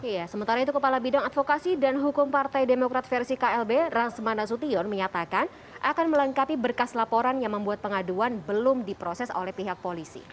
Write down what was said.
ya sementara itu kepala bidang advokasi dan hukum partai demokrat versi klb ransman nasution menyatakan akan melengkapi berkas laporan yang membuat pengaduan belum diproses oleh pihak polisi